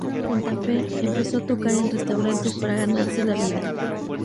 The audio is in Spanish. En Santa Fe empezó a tocar en restaurantes para ganarse la vida.